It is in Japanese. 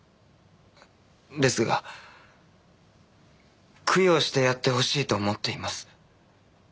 ですが供養してやってほしいと思っています。